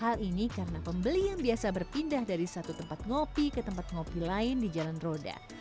hal ini karena pembeli yang biasa berpindah dari satu tempat ngopi ke tempat ngopi lain di jalan roda